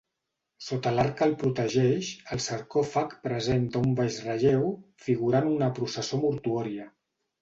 Sota l'arc que el protegeix, el sarcòfag presenta un baix relleu figurant una processó mortuòria.